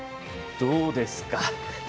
どうですか？